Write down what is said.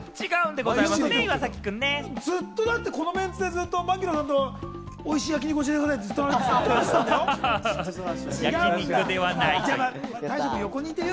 ずっとこのメンツで槙野さんとおいしい焼き肉教えてくださいって言ってたよね。